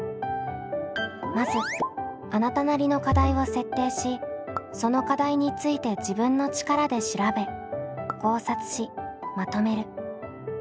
まずあなたなりの課題を設定しその課題について自分の力で調べ考察しまとめる。